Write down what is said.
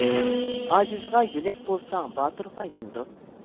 ئاجىزغا يۆلەك بولساڭ، باتۇرغا ئايلىنىدۇ.